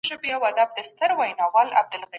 مشرانو به د هیواد د خپلواکۍ د ساتني لپاره تل چمتو وو.